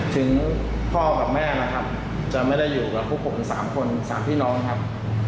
ถึงพ่อกับแม่นะครับจะไม่ได้อยู่กับพวกผม๓คน๓พี่น้องครับ